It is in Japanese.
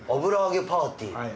油揚げパーティー？